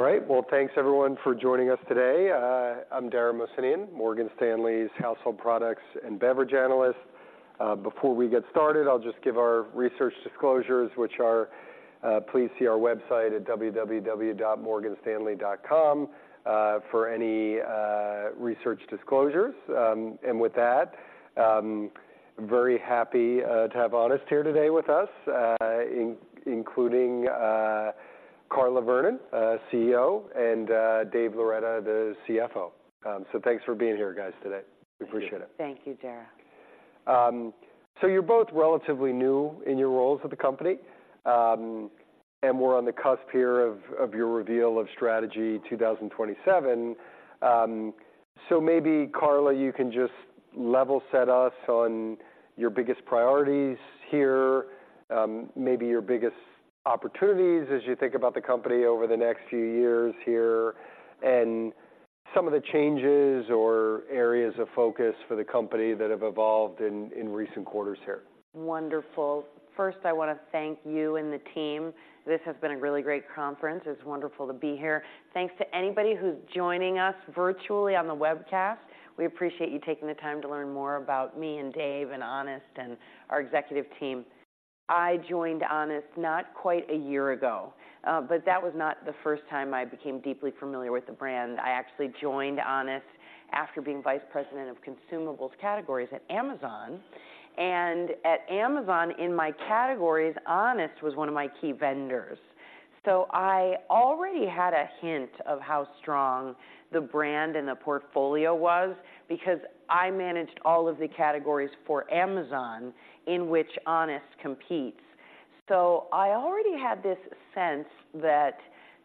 All right. Well, thanks everyone for joining us today. I'm Dara Mohsenian, Morgan Stanley's Household Products and Beverage Analyst. Before we get started, I'll just give our research disclosures, which are, please see our website at www.morganstanley.com, for any research disclosures. And with that, very happy to have Honest here today with us, including, Carla Vernón, CEO, and Dave Loretta, the CFO. So thanks for being here, guys, today. We appreciate it. Thank you, Dara. You're both relatively new in your roles at the company. We're on the cusp here of your reveal of Strategy 2027. Maybe, Carla, you can just level set us on your biggest priorities here, maybe your biggest opportunities as you think about the company over the next few years here, and some of the changes or areas of focus for the company that have evolved in recent quarters here. Wonderful. First, I want to thank you and the team. This has been a really great conference. It's wonderful to be here. Thanks to anybody who's joining us virtually on the webcast. We appreciate you taking the time to learn more about me and Dave and Honest and our executive team. I joined Honest not quite a year ago, but that was not the first time I became deeply familiar with the brand. I actually joined Honest after being vice president of consumables categories at Amazon. At Amazon, in my categories, Honest was one of my key vendors. So I already had a hint of how strong the brand and the portfolio was because I managed all of the categories for Amazon in which Honest competes. So I already had this sense that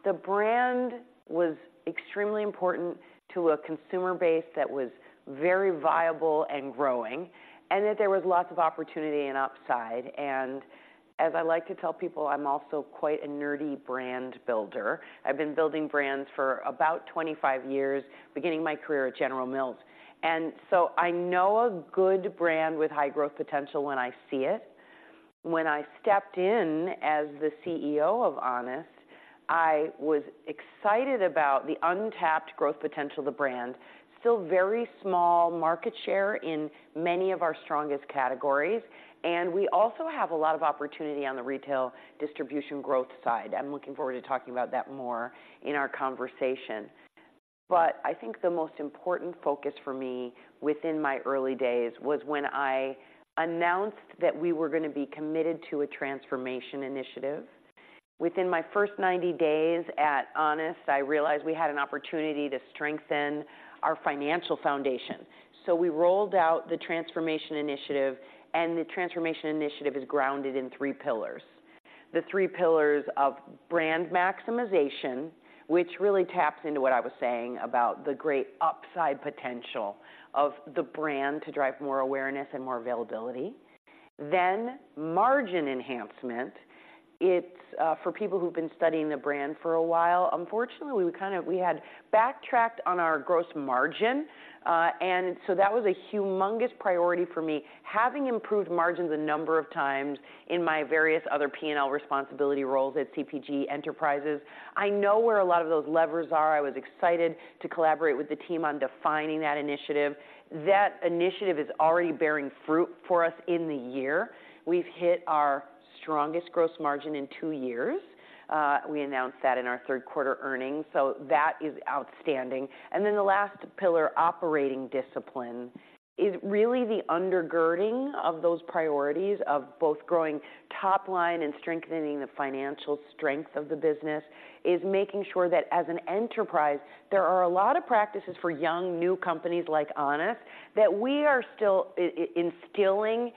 the brand was extremely important to a consumer base that was very viable and growing, and that there was lots of opportunity and upside. And as I like to tell people, I'm also quite a nerdy brand builder. I've been building brands for about 25 years, beginning my career at General Mills, and so I know a good brand with high growth potential when I see it. When I stepped in as the CEO of Honest, I was excited about the untapped growth potential of the brand. Still very small market share in many of our strongest categories, and we also have a lot of opportunity on the retail distribution growth side. I'm looking forward to talking about that more in our conversation. But I think the most important focus for me within my early days was when I announced that we were gonna be committed to a Transformation Initiative. Within my first 90 days at Honest, I realized we had an opportunity to strengthen our financial foundation. So we rolled out the Transformation Initiative, and the Transformation Initiative is grounded in three pillars. The three pillars of Brand Maximization, which really taps into what I was saying about the great upside potential of the brand to drive more awareness and more availability. Then, Margin Enhancement. It's for people who've been studying the brand for a while, unfortunately, we kind of had backtracked on our gross margin, and so that was a humongous priority for me. Having improved margins a number of times in my various other P&L responsibility roles at CPG enterprises, I know where a lot of those levers are. I was excited to collaborate with the team on defining that initiative. That initiative is already bearing fruit for us in the year. We've hit our strongest gross margin in two years. We announced that in our third quarter earnings, so that is outstanding. Then the last pillar, Operating Discipline, is really the undergirding of those priorities of both growing top line and strengthening the financial strength of the business, is making sure that as an enterprise, there are a lot of practices for young, new companies like Honest, that we are still instilling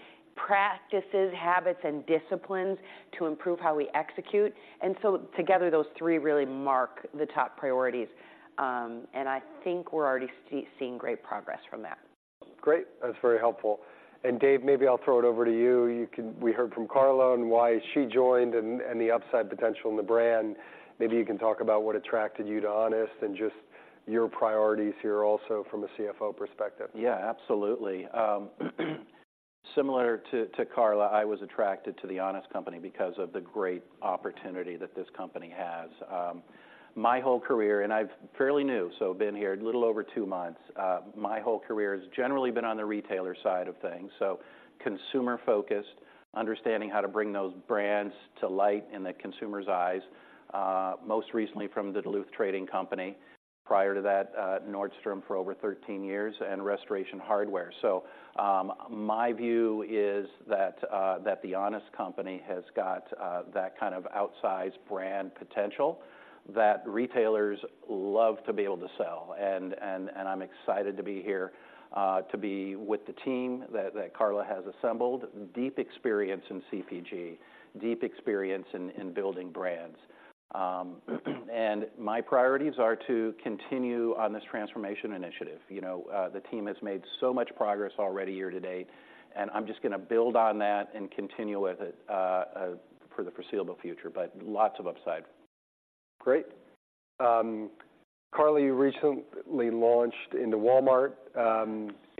practices, habits, and disciplines to improve how we execute. Together, those three really mark the top priorities, and I think we're already seeing great progress from that. Great! That's very helpful. And, Dave, maybe I'll throw it over to you. You can... We heard from Carla and why she joined and, and the upside potential in the brand. Maybe you can talk about what attracted you to Honest and just your priorities here also from a CFO perspective. Yeah, absolutely. Similar to Carla, I was attracted to the Honest Company because of the great opportunity that this company has. My whole career, and I'm fairly new, so been here a little over two months, my whole career has generally been on the retailer side of things, so consumer-focused, understanding how to bring those brands to light in the consumer's eyes, most recently from the Duluth Trading Company. Prior to that, Nordstrom for over 13 years and Restoration Hardware. So, my view is that the Honest Company has got that kind of outsized brand potential that retailers love to be able to sell. And I'm excited to be here to be with the team that Carla has assembled. Deep experience in CPG, deep experience in building brands. My priorities are to continue on this Transformation Initiative. You know, the team has made so much progress already year to date, and I'm just gonna build on that and continue with it, for the foreseeable future, but lots of upside. Great. Carla, you recently launched into Walmart.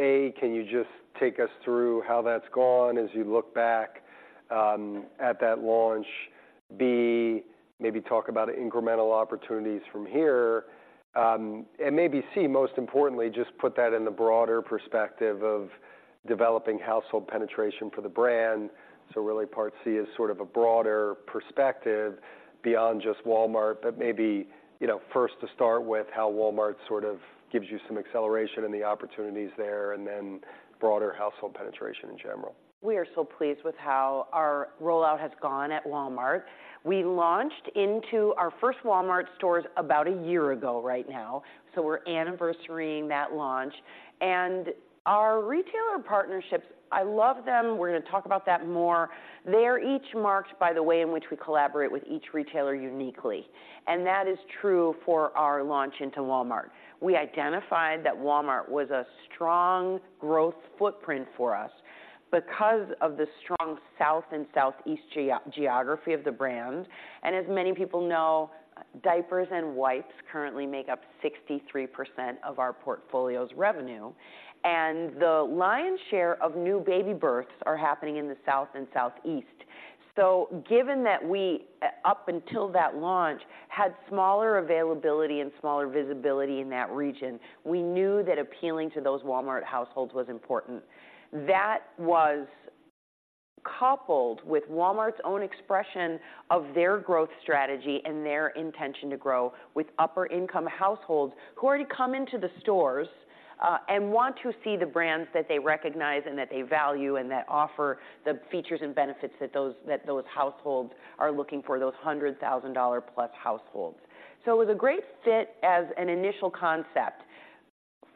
A, can you just take us through how that's gone as you look back at that launch? B, maybe talk about the incremental opportunities from here. And maybe C, most importantly, just put that in the broader perspective of developing household penetration for the brand. So really, part C is sort of a broader perspective beyond just Walmart, but maybe, you know, first to start with how Walmart sort of gives you some acceleration and the opportunities there, and then broader household penetration in general. We are so pleased with how our rollout has gone at Walmart. We launched into our first Walmart stores about a year ago right now, so we're anniversarying that launch. Our retailer partnerships, I love them. We're gonna talk about that more. They're each marked by the way in which we collaborate with each retailer uniquely, and that is true for our launch into Walmart. We identified that Walmart was a strong growth footprint for us because of the strong South and Southeast geography of the brand. As many people know, diapers and wipes currently make up 63% of our portfolio's revenue, and the lion's share of new baby births are happening in the South and Southeast. So given that we, up until that launch, had smaller availability and smaller visibility in that region, we knew that appealing to those Walmart households was important. That was coupled with Walmart's own expression of their growth strategy and their intention to grow with upper income households who already come into the stores and want to see the brands that they recognize and that they value, and that offer the features and benefits that those, that those households are looking for, those $100,000+ households. So it was a great fit as an initial concept.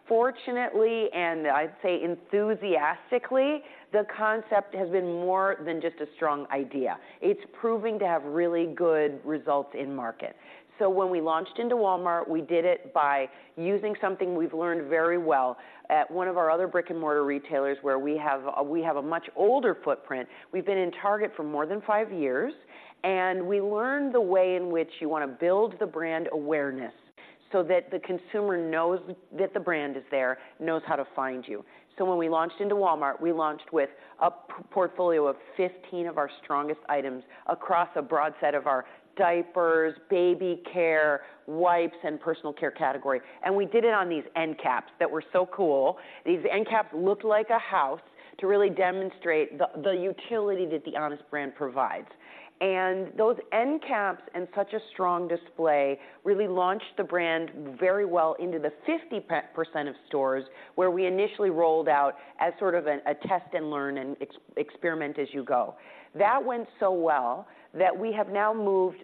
Fortunately, and I'd say enthusiastically, the concept has been more than just a strong idea. It's proving to have really good results in market. So when we launched into Walmart, we did it by using something we've learned very well at one of our other brick-and-mortar retailers, where we have a, we have a much older footprint. We've been in Target for more than 5 years, and we learned the way in which you wanna build the brand awareness so that the consumer knows that the brand is there, knows how to find you. So when we launched into Walmart, we launched with a portfolio of 15 of our strongest items across a broad set of our diapers, baby care, wipes, and personal care category. And we did it on these end caps that were so cool. These end caps looked like a house to really demonstrate the, the utility that the Honest brand provides. And those end caps and such a strong display really launched the brand very well into the 50% of stores, where we initially rolled out as sort of a test and learn, and experiment as you go. That went so well that we have now moved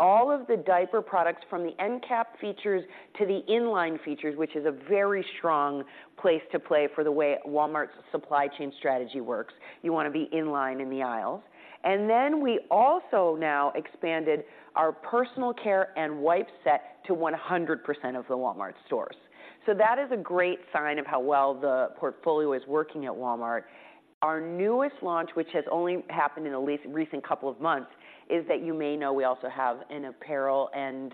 all of the diaper products from the end cap features to the inline features, which is a very strong place to play for the way Walmart's supply chain strategy works. You wanna be in line in the aisles. And then we also now expanded our personal care and wipe set to 100% of the Walmart stores. So that is a great sign of how well the portfolio is working at Walmart. Our newest launch, which has only happened in the recent couple of months, is that you may know we also have an apparel and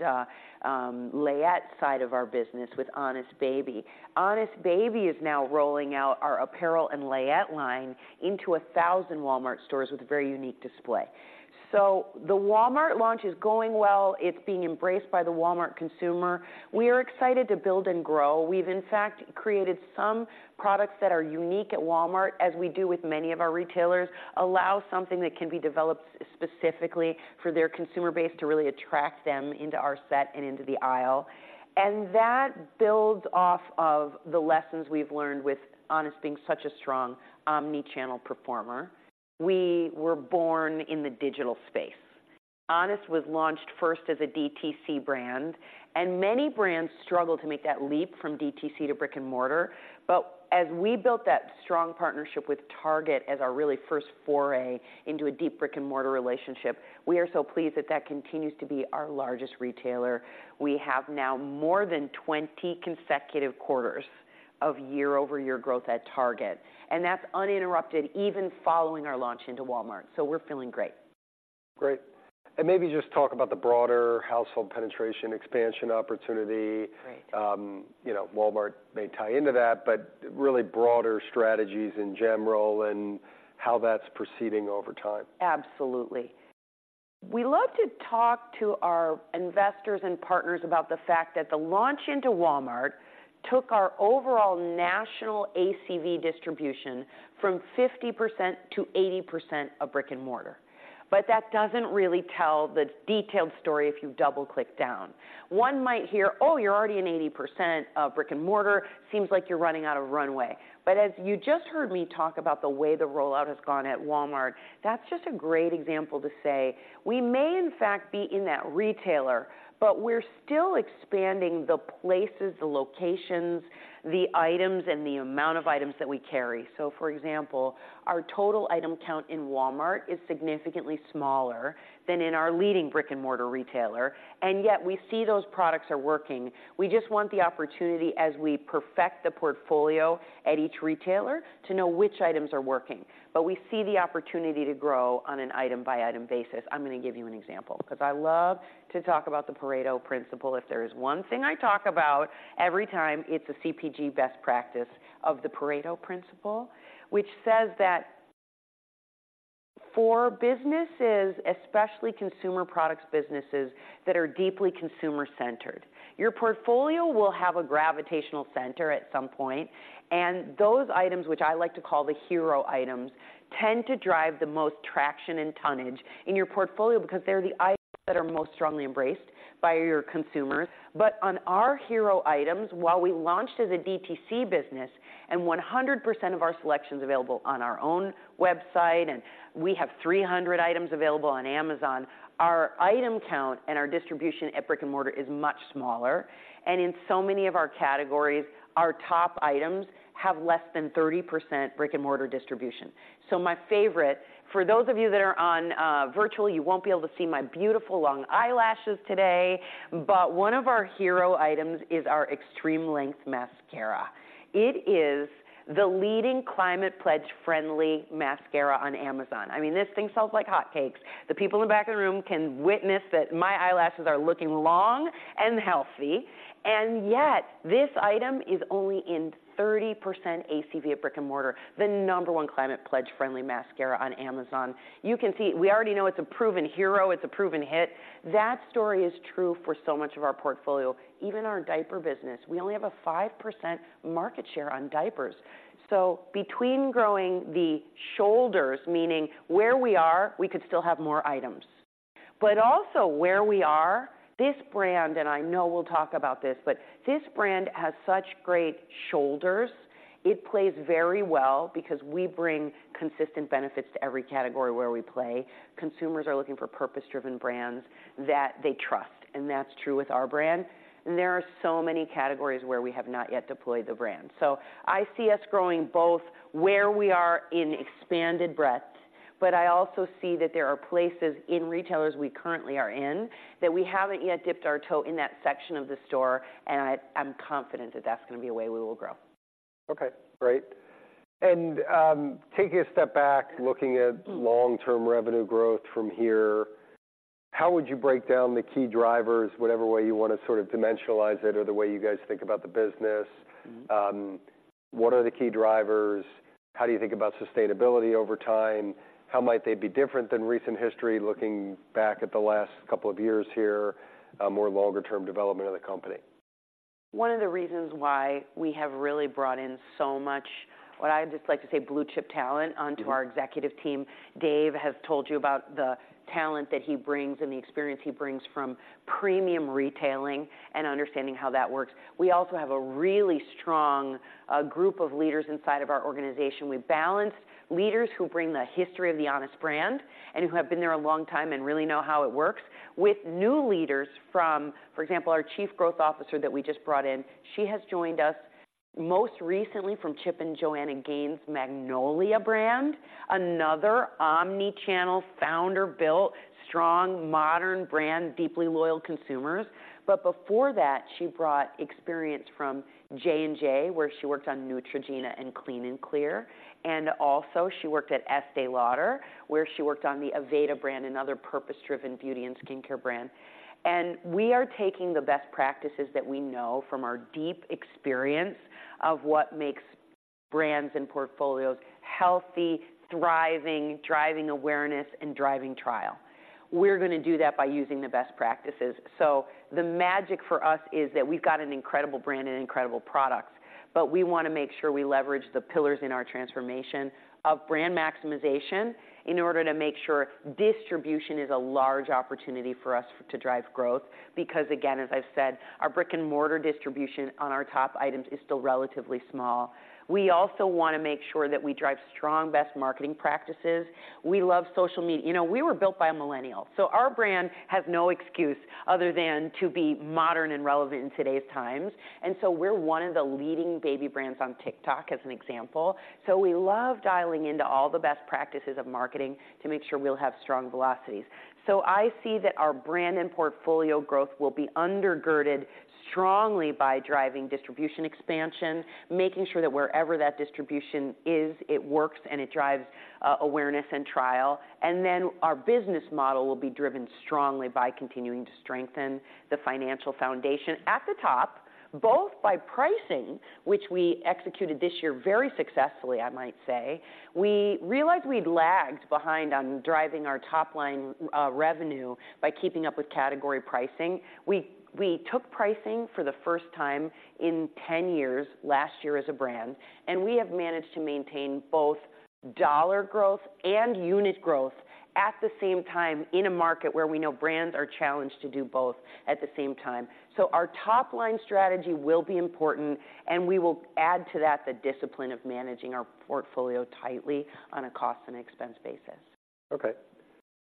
layette side of our business with Honest Baby. Honest Baby is now rolling out our apparel and layette line into 1,000 Walmart stores with a very unique display. So the Walmart launch is going well. It's being embraced by the Walmart consumer. We are excited to build and grow. We've, in fact, created some products that are unique at Walmart, as we do with many of our retailers, allow something that can be developed specifically for their consumer base to really attract them into our set and into the aisle. That builds off of the lessons we've learned with Honest being such a strong omni-channel performer. We were born in the digital space. Honest was launched first as a DTC brand, and many brands struggle to make that leap from DTC to brick-and-mortar. As we built that strong partnership with Target as our really first foray into a deep brick-and-mortar relationship, we are so pleased that that continues to be our largest retailer. We have now more than 20 consecutive quarters of year-over-year growth at Target, and that's uninterrupted, even following our launch into Walmart, so we're feeling great. Great! And maybe just talk about the broader household penetration expansion opportunity. Great. You know, Walmart may tie into that, but really broader strategies in general and how that's proceeding over time. Absolutely. We love to talk to our investors and partners about the fact that the launch into Walmart took our overall national ACV distribution from 50%-80% of brick-and-mortar. But that doesn't really tell the detailed story, if you double-click down. One might hear, "Oh, you're already in 80% of brick-and-mortar, seems like you're running out of runway." But as you just heard me talk about the way the rollout has gone at Walmart, that's just a great example to say: we may, in fact, be in that retailer, but we're still expanding the places, the locations, the items, and the amount of items that we carry. So for example, our total item count in Walmart is significantly smaller than in our leading brick-and-mortar retailer, and yet we see those products are working. We just want the opportunity, as we perfect the portfolio at each retailer, to know which items are working. But we see the opportunity to grow on an item-by-item basis. I'm gonna give you an example because I love to talk about the Pareto Principle. If there is one thing I talk about every time, it's a CPG best practice of the Pareto Principle, which says that for businesses, especially consumer products businesses that are deeply consumer-centered, your portfolio will have a gravitational center at some point, and those items, which I like to call the hero items, tend to drive the most traction and tonnage in your portfolio because they're the items that are most strongly embraced by your consumers. But on our hero items, while we launched as a DTC business and 100% of our selection is available on our own website, and we have 300 items available on Amazon, our item count and our distribution at brick-and-mortar is much smaller. And in so many of our categories, our top items have less than 30% brick-and-mortar distribution. So my favorite, for those of you that are on virtual, you won't be able to see my beautiful long eyelashes today, but one of our hero items is our Extreme Length Mascara. It is the leading Climate Pledge Friendly mascara on Amazon. I mean, this thing sells like hotcakes. The people in the back of the room can witness that my eyelashes are looking long and healthy, and yet this item is only in 30% ACV at brick-and-mortar. The No. 1 Climate Pledge Friendly mascara on Amazon. You can see, we already know it's a proven hero. It's a proven hit. That story is true for so much of our portfolio. Even our diaper business, we only have a 5% market share on diapers. So between growing the shoulders, meaning where we are, we could still have more items. But also where we are, this brand, and I know we'll talk about this, but this brand has such great shoulders. It plays very well because we bring consistent benefits to every category where we play. Consumers are looking for purpose-driven brands that they trust, and that's true with our brand. And there are so many categories where we have not yet deployed the brand. So I see us growing both where we are in expanded breadth, but I also see that there are places in retailers we currently are in, that we haven't yet dipped our toe in that section of the store, and I'm confident that that's going to be a way we will grow. Okay, great. Taking a step back, looking at long-term revenue growth from here, how would you break down the key drivers, whatever way you want to sort of dimensionalize it or the way you guys think about the business? What are the key drivers? How do you think about sustainability over time? How might they be different than recent history, looking back at the last couple of years here, more longer term development of the company? One of the reasons why we have really brought in so much, what I just like to say, blue-chip talent- Mm-hmm. onto our executive team, Dave has told you about the talent that he brings and the experience he brings from premium retailing and understanding how that works. We also have a really strong group of leaders inside of our organization. We've balanced leaders who bring the history of the Honest brand and who have been there a long time and really know how it works with new leaders from... For example, our Chief Growth Officer that we just brought in, she has joined us most recently from Chip and Joanna Gaines' Magnolia brand, another omni-channel, founder-built, strong, modern brand, deeply loyal consumers. But before that, she brought experience from J&J, where she worked on Neutrogena and Clean & Clear, and also she worked at Estée Lauder, where she worked on the Aveda brand and other purpose-driven beauty and skincare brand. We are taking the best practices that we know from our deep experience of what makes brands and portfolios healthy, thriving, driving awareness, and driving trial. We're gonna do that by using the best practices. So the magic for us is that we've got an incredible brand and incredible products, but we want to make sure we leverage the pillars in our transformation of brand maximization in order to make sure distribution is a large opportunity for us to drive growth. Because again, as I've said, our brick-and-mortar distribution on our top items is still relatively small. We also want to make sure that we drive strong best marketing practices. We love social media. You know, we were built by a millennial, so our brand has no excuse other than to be modern and relevant in today's times. We're one of the leading baby brands on TikTok, as an example. We love dialing into all the best practices of marketing to make sure we'll have strong velocities. I see that our brand and portfolio growth will be undergirded strongly by driving distribution expansion, making sure that wherever that distribution is, it works and it drives awareness and trial. Then our business model will be driven strongly by continuing to strengthen the financial foundation at the top, both by pricing, which we executed this year very successfully, I might say. We realized we'd lagged behind on driving our top-line revenue by keeping up with category pricing. We took pricing for the first time in 10 years, last year as a brand, and we have managed to maintain both dollar growth and unit growth at the same time in a market where we know brands are challenged to do both at the same time. So our top-line strategy will be important, and we will add to that the discipline of managing our portfolio tightly on a cost and expense basis. Okay.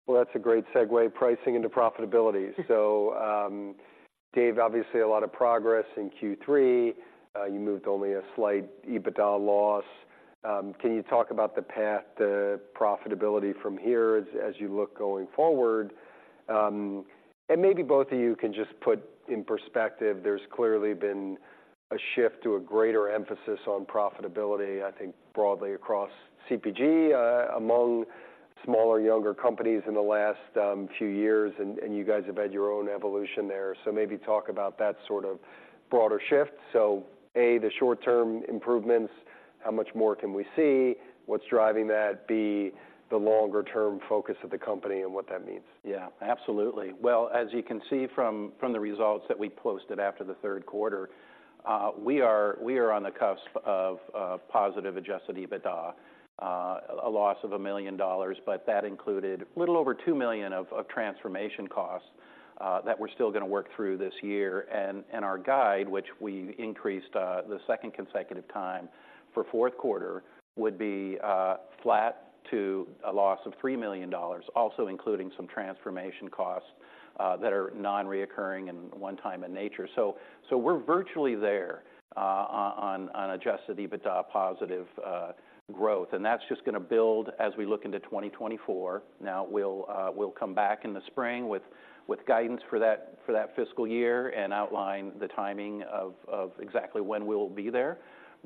Well, that's a great segue, pricing into profitability. Mm-hmm. So, Dave, obviously a lot of progress in Q3. You moved only a slight EBITDA loss. Can you talk about the path to profitability from here as you look going forward? And maybe both of you can just put in perspective, there's clearly been a shift to a greater emphasis on profitability, I think, broadly across CPG, among smaller, younger companies in the last few years, and you guys have had your own evolution there. So maybe talk about that sort of broader shift. So, A, the short-term improvements: how much more can we see? What's driving that? B, the longer-term focus of the company and what that means. Yeah, absolutely. Well, as you can see from the results that we posted after the third quarter, we are on the cusp of positive Adjusted EBITDA, a loss of $1 million, but that included a little over $2 million of transformation costs that we're still gonna work through this year. Our guide, which we increased the second consecutive time for fourth quarter, would be flat to a loss of $3 million, also including some transformation costs that are non-recurring and one-time in nature. So we're virtually there on Adjusted EBITDA positive growth, and that's just gonna build as we look into 2024. Now, we'll come back in the spring with guidance for that fiscal year and outline the timing of exactly when we'll be there.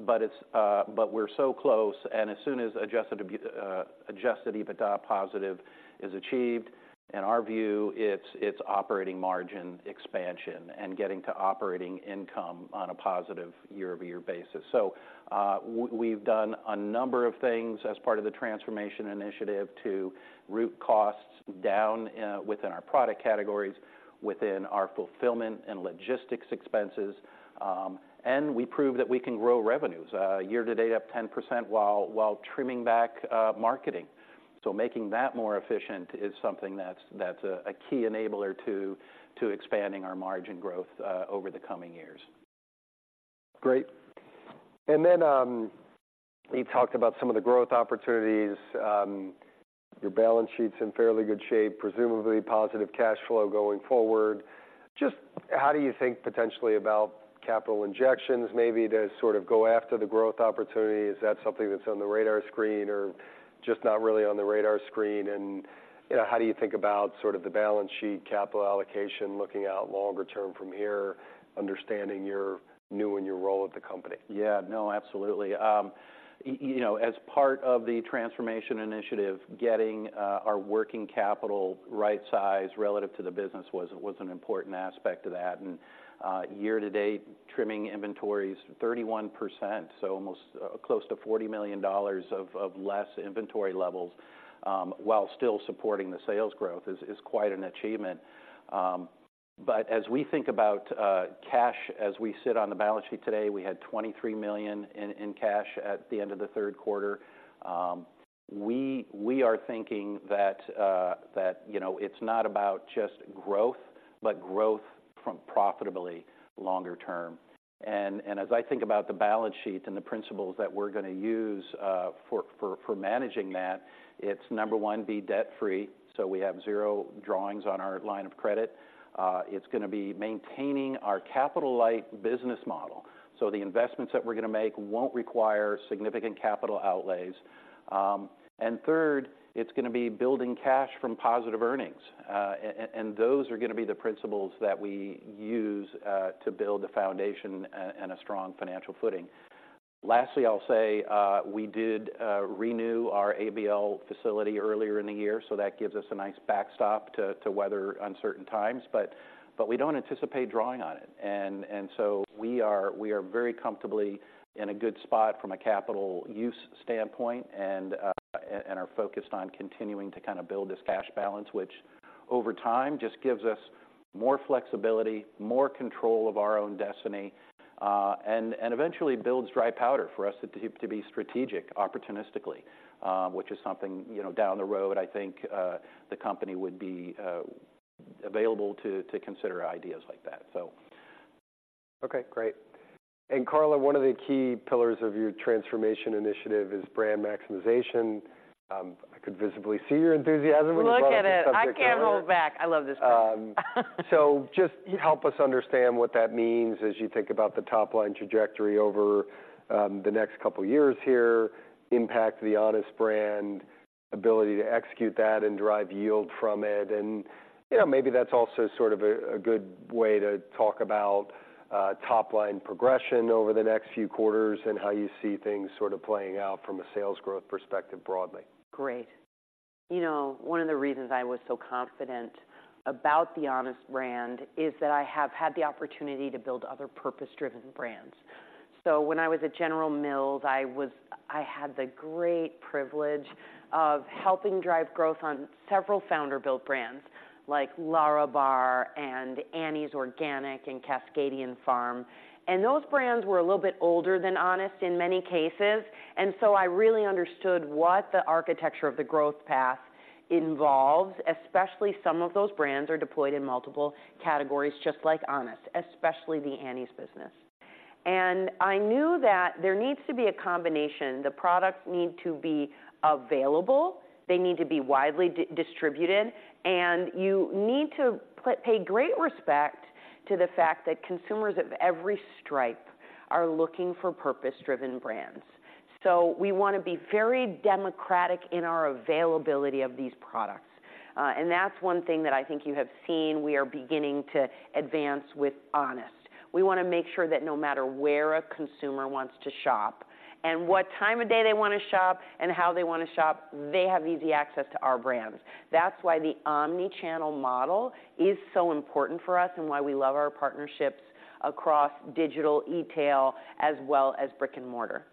But we're so close, and as soon as adjusted EBITDA positive is achieved, in our view, it's operating margin expansion and getting to operating income on a positive year-over-year basis. So, we've done a number of things as part of the Transformation Initiative to route costs down within our product categories, within our fulfillment and logistics expenses, and we proved that we can grow revenues year to date, up 10%, while trimming back marketing. So making that more efficient is something that's a key enabler to expanding our margin growth over the coming years. Great. And then, you talked about some of the growth opportunities. Your balance sheet's in fairly good shape, presumably positive cash flow going forward. Just how do you think potentially about capital injections, maybe to sort of go after the growth opportunity? Is that something that's on the radar screen or just not really on the radar screen? And, you know, how do you think about sort of the balance sheet capital allocation, looking out longer term from here, understanding you're new in your role at the company? Yeah. No, absolutely. You know, as part of the Transformation Initiative, getting our working capital right-sized relative to the business was an important aspect of that, and year to date, trimming inventories 31%, so almost close to $40 million of less inventory levels, while still supporting the sales growth, is quite an achievement. But as we think about cash as we sit on the balance sheet today, we had $23 million in cash at the end of the third quarter. We are thinking that you know, it's not about just growth, but growth from profitably longer term. As I think about the balance sheet and the principles that we're gonna use for managing that, it's number one, be debt-free, so we have zero drawings on our line of credit. It's gonna be maintaining our capital-light business model, so the investments that we're gonna make won't require significant capital outlays. And third, it's gonna be building cash from positive earnings, and those are gonna be the principles that we use to build a foundation and a strong financial footing. Lastly, I'll say, we did renew our ABL facility earlier in the year, so that gives us a nice backstop to weather uncertain times, but we don't anticipate drawing on it. And so we are very comfortably in a good spot from a capital use standpoint and are focused on continuing to kind of build this cash balance, which over time just gives us more flexibility, more control of our own destiny, and eventually builds dry powder for us to be strategic opportunistically, which is something, you know, down the road, I think, the company would be available to consider ideas like that. So... Okay, great. And Carla, one of the key pillars of your Transformation Initiative is Brand Maximization. I could visibly see your enthusiasm- Look at it! about the subject. I can't hold back. I love this part. So just help us understand what that means as you think about the top-line trajectory over the next couple of years here, impact to the Honest brand, ability to execute that and drive yield from it. You know, maybe that's also sort of a good way to talk about top-line progression over the next few quarters and how you see things sort of playing out from a sales growth perspective, broadly. Great. You know, one of the reasons I was so confident about the Honest brand is that I have had the opportunity to build other purpose-driven brands. So when I was at General Mills, I had the great privilege of helping drive growth on several founder-built brands like Larabar and Annie's Organic and Cascadian Farm, and those brands were a little bit older than Honest in many cases. And so I really understood what the architecture of the growth path involves, especially some of those brands are deployed in multiple categories, just like Honest, especially the Annie's business. And I knew that there needs to be a combination. The products need to be available, they need to be widely distributed, and you need to pay great respect to the fact that consumers of every stripe are looking for purpose-driven brands. We wanna be very democratic in our availability of these products, and that's one thing that I think you have seen we are beginning to advance with Honest. We wanna make sure that no matter where a consumer wants to shop, and what time of day they wanna shop, and how they wanna shop, they have easy access to our brands. That's why the omni-channel model is so important for us and why we love our partnerships across digital e-tail, as well as brick-and-mortar.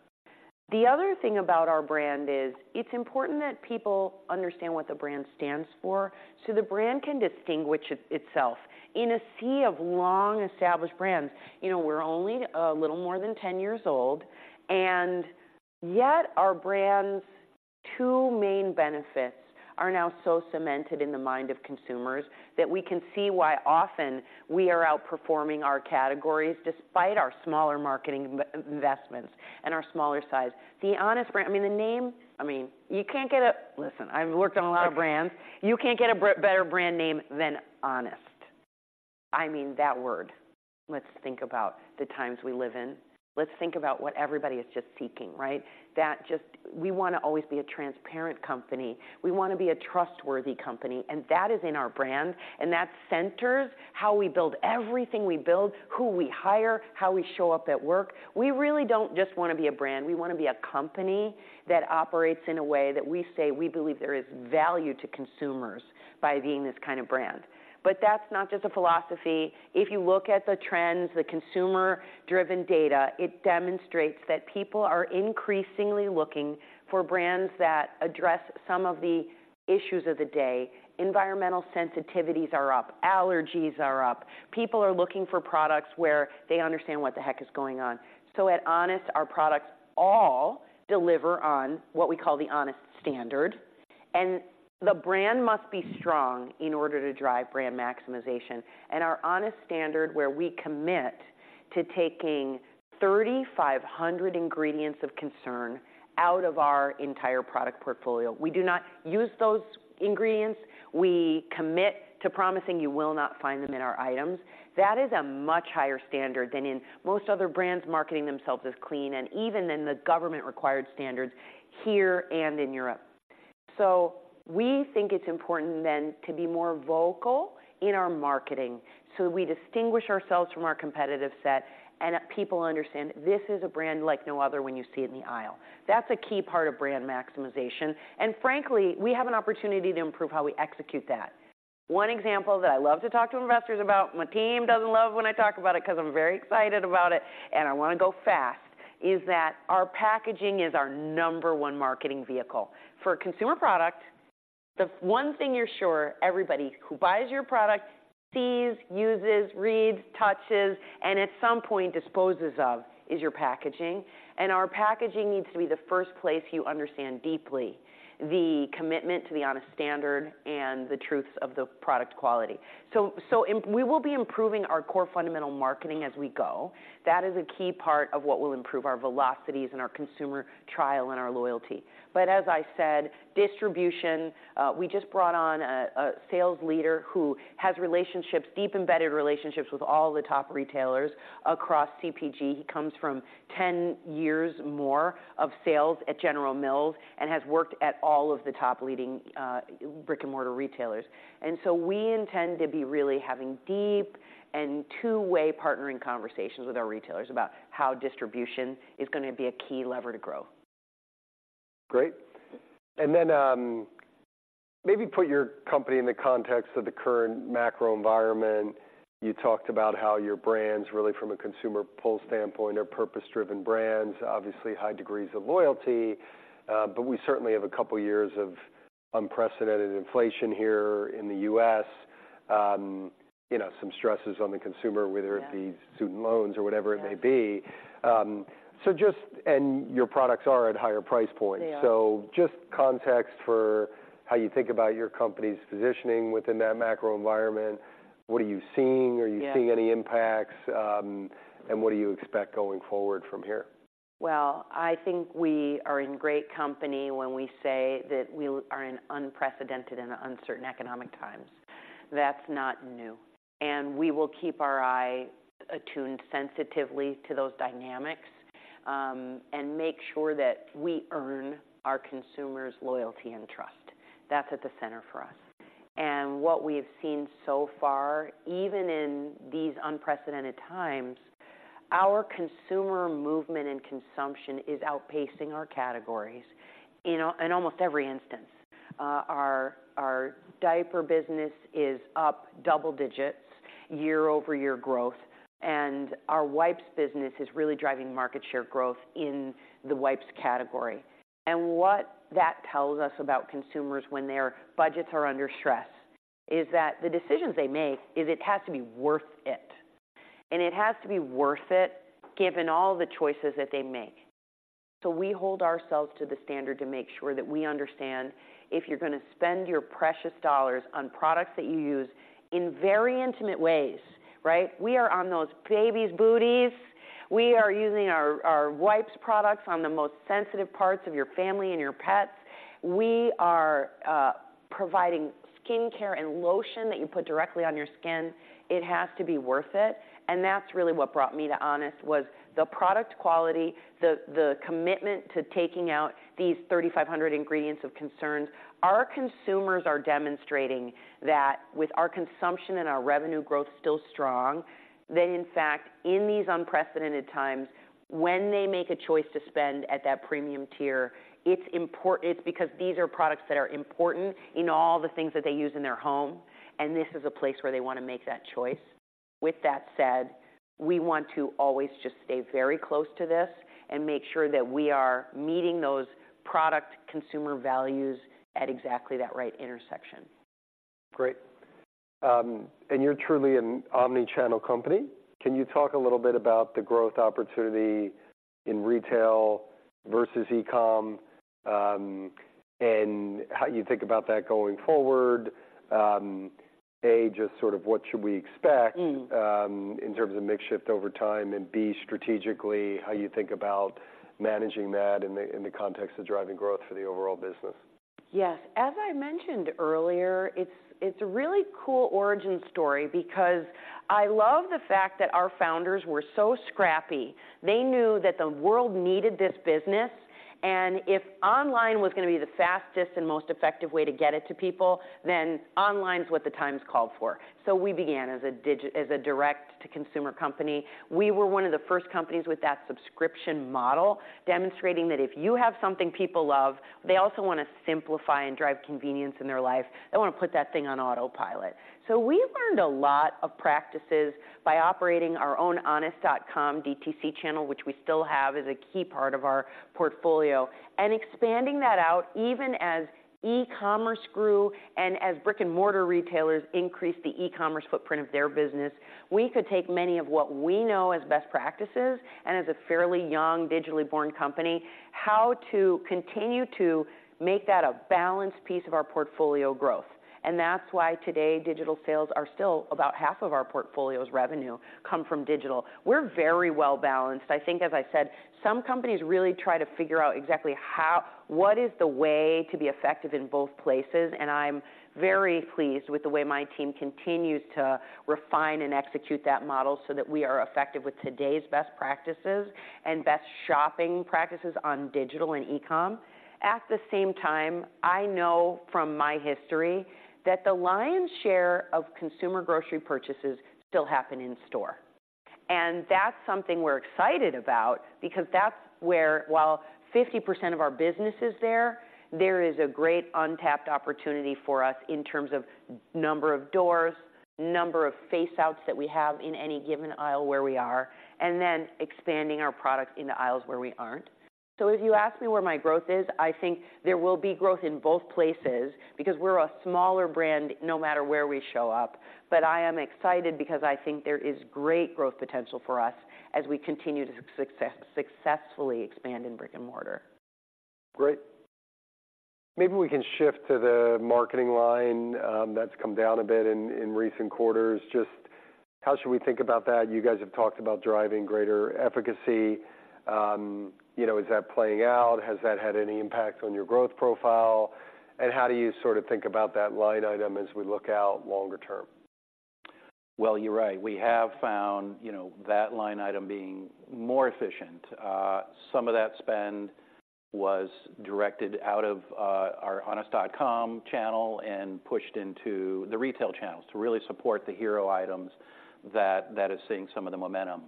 ...The other thing about our brand is, it's important that people understand what the brand stands for, so the brand can distinguish itself in a sea of long-established brands. You know, we're only a little more than 10 years old, and yet our brand's two main benefits are now so cemented in the mind of consumers that we can see why often we are outperforming our categories despite our smaller marketing but investments and our smaller size. The Honest brand, I mean, the name, I mean, you can't get a... Listen, I've worked on a lot of brands. You can't get a better brand name than Honest. I mean, that word. Let's think about the times we live in. Let's think about what everybody is just seeking, right? We wanna always be a transparent company, we wanna be a trustworthy company, and that is in our brand, and that centers how we build everything we build, who we hire, how we show up at work. We really don't just wanna be a brand. We wanna be a company that operates in a way that we say we believe there is value to consumers by being this kind of brand. But that's not just a philosophy. If you look at the trends, the consumer-driven data, it demonstrates that people are increasingly looking for brands that address some of the issues of the day. Environmental sensitivities are up, allergies are up. People are looking for products where they understand what the heck is going on. So at Honest, our products all deliver on what we call the Honest Standard, and the brand must be strong in order to drive brand maximization. Our Honest Standard, where we commit to taking 3,500 ingredients of concern out of our entire product portfolio. We do not use those ingredients. We commit to promising you will not find them in our items. That is a much higher standard than in most other brands marketing themselves as clean, and even in the government-required standards here and in Europe. So we think it's important then to be more vocal in our marketing so we distinguish ourselves from our competitive set, and that people understand this is a brand like no other when you see it in the aisle. That's a key part of brand maximization, and frankly, we have an opportunity to improve how we execute that. One example that I love to talk to investors about, my team doesn't love when I talk about it because I'm very excited about it and I wanna go fast, is that our packaging is our number one marketing vehicle. For a consumer product, the one thing you're sure everybody who buys your product sees, uses, reads, touches, and at some point disposes of, is your packaging. Our packaging needs to be the first place you understand deeply the commitment to the Honest Standard and the truths of the product quality. So, we will be improving our core fundamental marketing as we go. That is a key part of what will improve our velocities and our consumer trial and our loyalty. As I said, distribution, we just brought on a sales leader who has relationships, deep embedded relationships, with all the top retailers across CPG. He comes from 10 years more of sales at General Mills and has worked at all of the top leading brick-and-mortar retailers. And so we intend to be really having deep and two-way partnering conversations with our retailers about how distribution is gonna be a key lever to grow. Great! And then, maybe put your company in the context of the current macro environment. You talked about how your brands, really from a consumer pool standpoint, are purpose-driven brands, obviously high degrees of loyalty, but we certainly have a couple years of unprecedented inflation here in the U.S. You know, some stresses on the consumer- Yeah ...whether it be student loans or whatever it may be. Yeah. So, just and your products are at higher price points. They are. Just context for how you think about your company's positioning within that macro environment. What are you seeing? Yeah. Are you seeing any impacts? And what do you expect going forward from here? Well, I think we are in great company when we say that we are in unprecedented and uncertain economic times. That's not new, and we will keep our eye attuned sensitively to those dynamics, and make sure that we earn our consumers' loyalty and trust. That's at the center for us. And what we have seen so far, even in these unprecedented times, our consumer movement and consumption is outpacing our categories in almost every instance. Our diaper business is up double digits year-over-year growth, and our wipes business is really driving market share growth in the wipes category. And what that tells us about consumers when their budgets are under stress, is that the decisions they make is it has to be worth it, and it has to be worth it given all the choices that they make. So we hold ourselves to the standard to make sure that we understand if you're gonna spend your precious dollars on products that you use in very intimate ways, right? We are on those babies' booties. We are using our, our wipes products on the most sensitive parts of your family and your pets. We are providing skincare and lotion that you put directly on your skin. It has to be worth it, and that's really what brought me to Honest, was the product quality, the, the commitment to taking out these 3,500 ingredients of concern. Our consumers are demonstrating that with our consumption and our revenue growth still strong, that in fact, in these unprecedented times, when they make a choice to spend at that premium tier, it's important, it's because these are products that are important in all the things that they use in their home, and this is a place where they wanna make that choice. With that said, we want to always just stay very close to this and make sure that we are meeting those product consumer values at exactly that right intersection. Great. You're truly an omni-channel company. Can you talk a little bit about the growth opportunity in retail versus e-com, and how you think about that going forward, just sort of what should we expect- Mm. In terms of mix shift over time, and B, strategically, how you think about managing that in the context of driving growth for the overall business? Yes. As I mentioned earlier, it's a really cool origin story because I love the fact that our founders were so scrappy. They knew that the world needed this business, and if online was gonna be the fastest and most effective way to get it to people, then online is what the times called for, so we began as a direct-to-consumer company. We were one of the first companies with that subscription model, demonstrating that if you have something people love, they also wanna simplify and drive convenience in their life. They wanna put that thing on autopilot. So we learned a lot of practices by operating our own honest.com DTC channel, which we still have as a key part of our portfolio. Expanding that out, even as e-commerce grew and as brick-and-mortar retailers increased the e-commerce footprint of their business, we could take many of what we know as best practices, and as a fairly young, digitally born company, how to continue to make that a balanced piece of our portfolio growth. That's why today, digital sales are still about half of our portfolio's revenue, come from digital. We're very well-balanced. I think, as I said, some companies really try to figure out exactly how—what is the way to be effective in both places, and I'm very pleased with the way my team continues to refine and execute that model, so that we are effective with today's best practices and best shopping practices on digital and e-com. At the same time, I know from my history that the lion's share of consumer grocery purchases still happen in store, and that's something we're excited about because that's where, while 50% of our business is there, there is a great untapped opportunity for us in terms of number of doors, number of faceouts that we have in any given aisle where we are, and then expanding our product into aisles where we aren't. So if you ask me where my growth is, I think there will be growth in both places, because we're a smaller brand, no matter where we show up. But I am excited because I think there is great growth potential for us as we continue to successfully expand in brick-and-mortar. Great. Maybe we can shift to the marketing line, that's come down a bit in recent quarters. Just how should we think about that? You guys have talked about driving greater efficacy. You know, is that playing out? Has that had any impact on your growth profile, and how do you sort of think about that line item as we look out longer term? Well, you're right, we have found, you know, that line item being more efficient. Some of that spend was directed out of our Honest.com channel and pushed into the retail channels to really support the hero items that is seeing some of the momentum.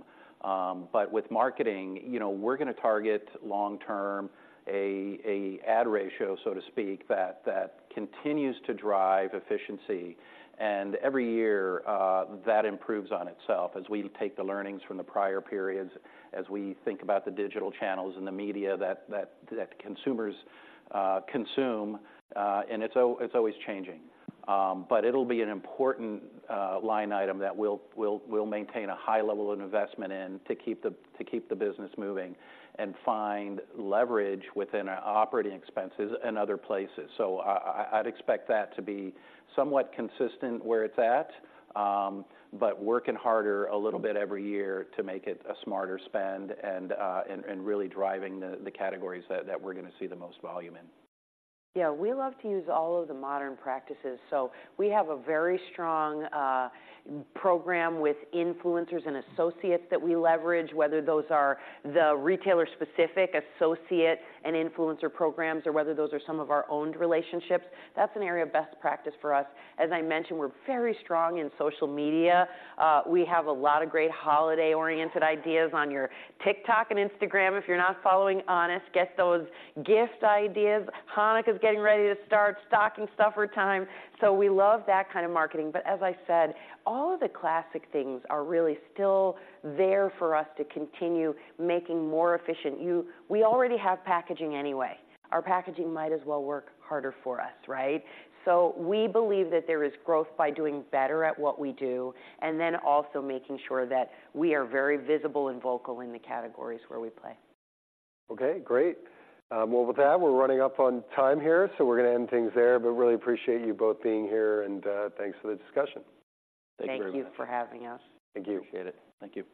But with marketing, you know, we're gonna target long-term, a ad ratio, so to speak, that continues to drive efficiency. And every year, that improves on itself as we take the learnings from the prior periods, as we think about the digital channels and the media that consumers consume, and it's always changing. But it'll be an important line item that we'll maintain a high level of investment in to keep the business moving and find leverage within our operating expenses and other places. So I'd expect that to be somewhat consistent where it's at, but working harder a little bit every year to make it a smarter spend and really driving the categories that we're gonna see the most volume in. Yeah, we love to use all of the modern practices, so we have a very strong program with influencers and associates that we leverage, whether those are the retailer-specific associate and influencer programs, or whether those are some of our owned relationships. That's an area of best practice for us. As I mentioned, we're very strong in social media. We have a lot of great holiday-oriented ideas on your TikTok and Instagram. If you're not following Honest, get those gift ideas. Hanukkah's getting ready to start, stocking stuffer time, so we love that kind of marketing. But as I said, all of the classic things are really still there for us to continue making more efficient. We already have packaging anyway. Our packaging might as well work harder for us, right? We believe that there is growth by doing better at what we do, and then also making sure that we are very visible and vocal in the categories where we play. Okay, great. Well, with that, we're running up on time here, so we're gonna end things there, but really appreciate you both being here, and thanks for the discussion. Thank you very much. Thank you for having us. Thank you. Appreciate it. Thank you.